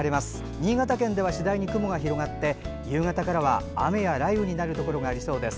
新潟県では次第に雲が広がり夕方からは雨や雷雨になるところがありそうです。